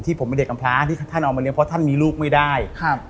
ผมเป็นเด็กอำพลาที่ท่านเอามาเลี้ยเพราะท่านมีลูกไม่ได้ครับ